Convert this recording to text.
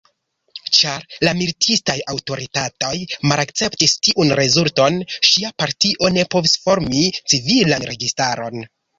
Ĉar la militistaj aŭtoritatoj malakceptis tiun rezulton, ŝia partio ne povis formi civilan registaron.